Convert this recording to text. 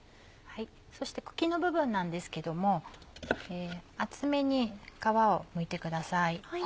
そして茎の部分なんですけども厚めに皮をむいてください。